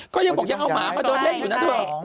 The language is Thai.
ก็ยังบอกยังเอาหมามาเดินเล่นอยู่นะเถอะ